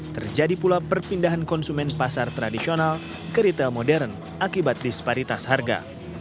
terjadi pula perpindahan konsumen pasar tradisional ke retail modern akibat disparitas harga